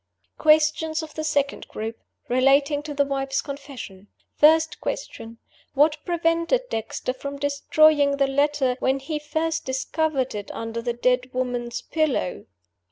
"Questions of the Second Group: relating to the Wife's Confession. First Question: What prevented Dexter from destroying the letter, when he first discovered it under the dead woman's pillow?